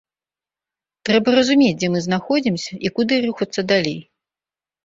Трэба разумець, дзе мы знаходзімся і куды рухацца далей.